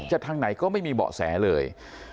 ทางไหนก็ไม่มีเบาะแสเลย